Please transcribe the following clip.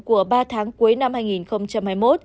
của ba tháng cuối năm hai nghìn hai mươi một